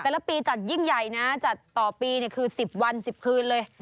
แต่ละปีจัดยิ่งใหญ่นะจัดต่อปีคือ๑๐วัน๑๐คืนเลย